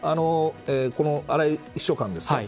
この荒井秘書官ですか。